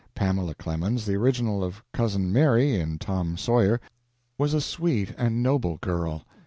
Pamela Clemens, the original of Cousin Mary, in "Tom Sawyer," was a sweet and noble girl.